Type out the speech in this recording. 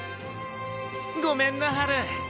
ごめんなハル。